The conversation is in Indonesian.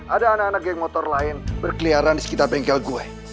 ada anak anak geng motor lain berkeliaran di sekitar bengkel gue